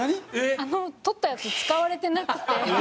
あの撮ったやつ使われてなくて。